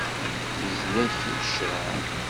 Izla-k ccreɛ.